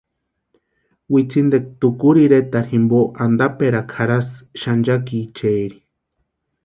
Witsintikwa Takuru ireta jimpo antaperakwa jarhasti xanchakiechari.